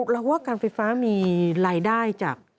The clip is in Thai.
เราว่าการไฟฟ้ามีรายได้จาก